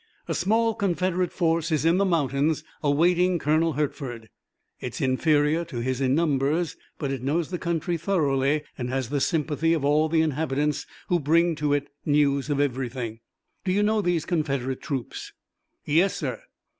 "A small Confederate force is in the mountains, awaiting Colonel Hertford. It is inferior to his in numbers, but it knows the country thoroughly and has the sympathy of all the inhabitants, who bring to it news of everything." "Do you know these Confederate troops?" "Yes, sir.